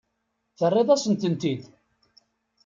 Terriḍ-asent-tent-id.